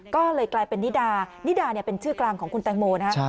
ก็เลยกลายเป็นนิดานิดาเป็นชื่อกลางของคุณแตงโมนะครับ